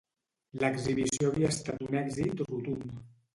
L'exhibició havia estat un èxit rotund.